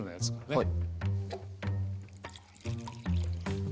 はい。